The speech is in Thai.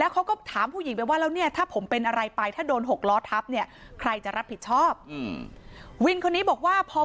ขอให้ตายไปเลยนะ